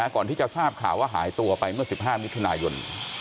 ก่อนที่จะทราบข่าวว่าหายตัวไปเมื่อ๑๕มิถุนายน